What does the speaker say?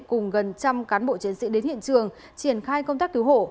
cùng gần trăm cán bộ chiến sĩ đến hiện trường triển khai công tác cứu hộ